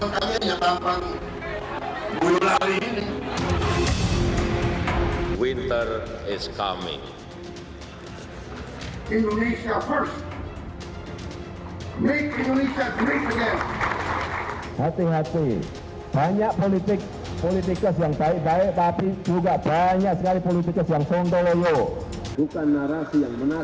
kalian kalau masuk mungkin jangan diusir dari tampang kalian tidak tampang orang kaya